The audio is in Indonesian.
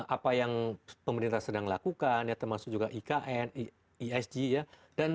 apa yang pemerintah sedang lakukan ya termasuk juga ikn esg ya dan